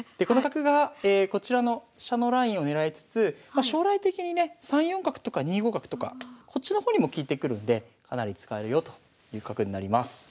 この角がこちらの飛車のラインを狙いつつ将来的にね３四角とか２五角とかこっちの方にも利いてくるんでかなり使えるよという角になります。